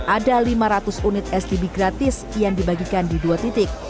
ada lima ratus unit stb gratis yang dibagikan di dua titik